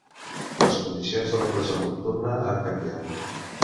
Les condicions de la presó nocturna han canviat.